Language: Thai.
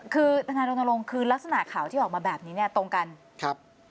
คือทนายรณรงค์คือลักษณะข่าวที่ออกมาแบบนี้เนี่ยตรงกันครับ